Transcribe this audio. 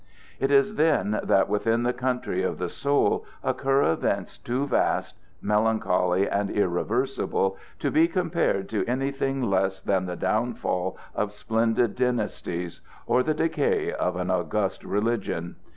It is then that within the country of the soul occur events too vast, melancholy, and irreversible to be compared to anything less than the downfall of splendid dynasties, or the decay of an august religion.